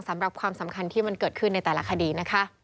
ความสำคัญที่มันเกิดขึ้นในแต่ละคดีนะคะ